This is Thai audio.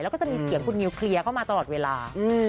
และทุกคนขนาดนี้เป็เห็นอยู่คลีย้าเข้ามาตลอดเวลา